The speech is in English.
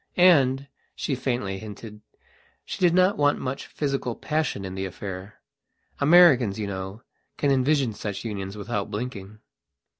Andshe faintly hintedshe did not want much physical passion in the affair. Americans, you know, can envisage such unions without blinking.